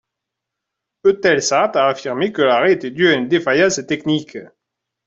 Eutelsat a affirmé que l'arrêt était dû à une défaillance technique.